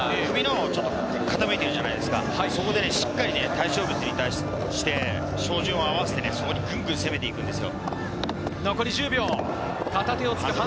彼女のスタイルは首が傾いてるじゃないですか、そこでしっかり対象物に対して照準を合わせて、ぐんぐん攻めていきます。